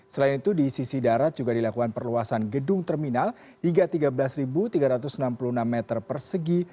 selain itu di sisi darat juga dilakukan perluasan gedung terminal hingga tiga belas tiga ratus enam puluh enam meter persegi